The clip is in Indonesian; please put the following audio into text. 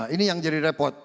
ini yang jadi repot